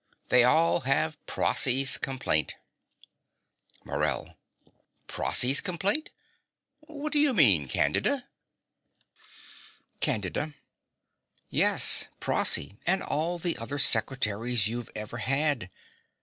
They all have Prossy's complaint. MORELL. Prossy's complaint! What do you mean, Candida? CANDIDA. Yes, Prossy, and all the other secretaries you ever had.